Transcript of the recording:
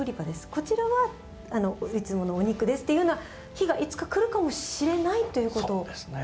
こちらはいつものお肉ですっていうような日がいつか来るかもしれないという事ですよね。